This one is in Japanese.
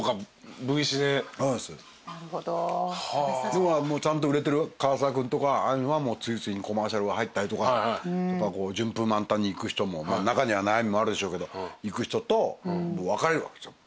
要はちゃんと売れてる唐沢君とかああいうのは次々にコマーシャルが入ったりとか順風満帆にいく人も中には悩みもあるでしょうけどいく人と分かれるわけですよ